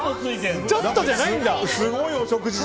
ちょっとじゃないんだ。